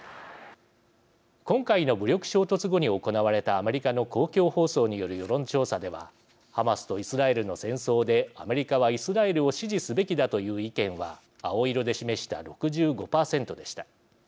今回の武力衝突後に行われたアメリカの公共放送による世論調査ではハマスとイスラエルの戦争でアメリカはイスラエルを支持すべきだという意見は青色で示した６５％でした。